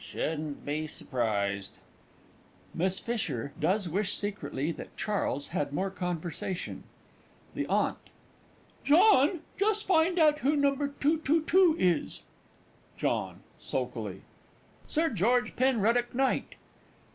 Shouldn't be surprised. [MISS F. does wish secretly that CHARLES had more conversation. THE AUNT. John, just find out who No. 222 is. JOHN (sulkily). Sir George Penruddocke, Knight.